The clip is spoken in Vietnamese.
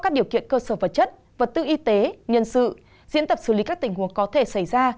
các điều kiện cơ sở vật chất vật tư y tế nhân sự diễn tập xử lý các tình huống có thể xảy ra